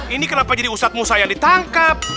ini kenapa jadi usat musa yang ditangkap